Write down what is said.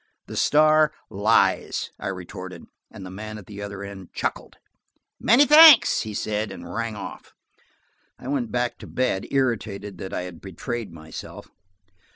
"The Star lies!" I retorted, and the man at the other end chuckled. "Many thanks," he said, and rang off. I went back to bed, irritated that I had betrayed myself.